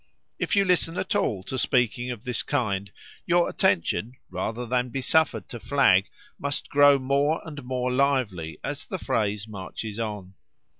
If you listen at all to speaking of this kind your attention, rather than be suffered to flag, must grow more and more lively as the phrase marches on.